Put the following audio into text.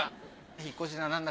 引っ越しだ